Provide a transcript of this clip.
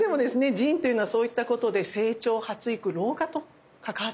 腎というのはそういったことで成長発育老化と関わっていくんですね。